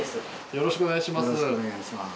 よろしくお願いします。